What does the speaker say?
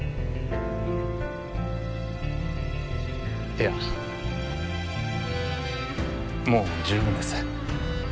いやもう十分です。